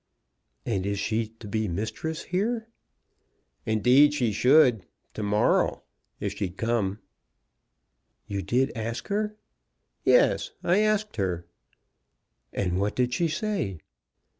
"And she is to be mistress here?" "Indeed she should, to morrow, if she'd come." "You did ask her?" "Yes, I asked her." "And what did she say?"